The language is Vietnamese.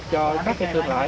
cho các thương lái